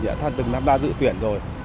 đã từng tham gia dự tuyển rồi